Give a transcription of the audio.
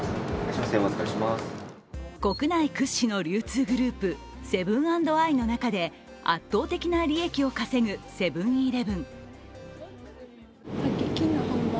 国内屈指の流通グループ、セブン＆アイの中で圧倒的な利益を稼ぐセブン−イレブン。